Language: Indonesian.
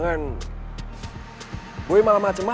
aku mau mencoba